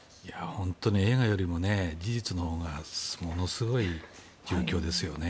本当に映画よりも事実のほうがものすごい状況ですよね。